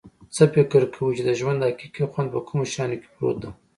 څه فکر کویچې د ژوند حقیقي خوند په کومو شیانو کې پروت ده